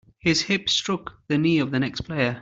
His hip struck the knee of the next player.